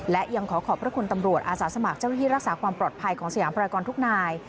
และยังขอขอบพระคุณตำรวจอาสาสมัครเจ้าหน้าที่รักษาความปลอดภัยของสยามพรากรทุกนาย